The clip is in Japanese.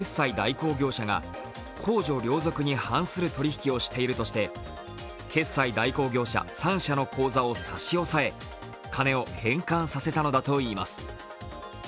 田口容疑者と決済代行業者が公序良俗に反する取り引きをしているとして決済代行業者３社の口座を差し押さえ金を返還させたのだといいます。